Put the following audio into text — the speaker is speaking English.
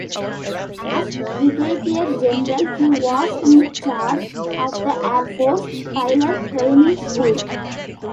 As Brigadier General, he was in charge of the Air Force Pilots Training School.